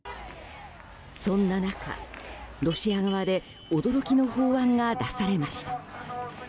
そんな中、ロシア側で驚きの法案が出されました。